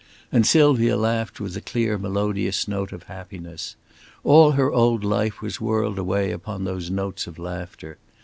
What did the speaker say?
And Sylvia laughed with the clear melodious note of happiness. All her old life was whirled away upon those notes of laughter.